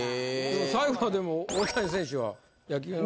最後はでも大谷選手は野球の。